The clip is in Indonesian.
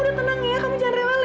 udah tenang ya kamu jangan rewel ya